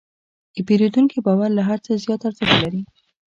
د پیرودونکي باور له هر څه زیات ارزښت لري.